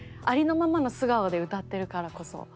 ありのままの素顔で歌ってるからこそ。